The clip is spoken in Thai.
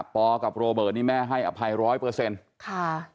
ปกับโรเบิร์ตนี่แม่ให้อภัยร้อยเปอร์เซ็นต์ค่ะ